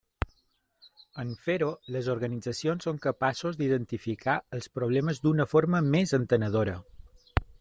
En fer-ho, les organitzacions són capaços d'identificar els problemes d'una forma més entenedora.